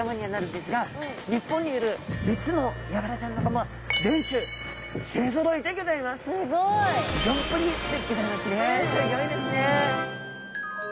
すギョいですね。